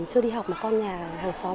chưa đi học mà con nhà hồ xóm